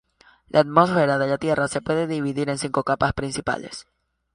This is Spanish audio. La atmósfera de la Tierra se puede dividir en cinco capas principales.